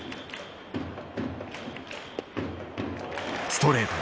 ストレート。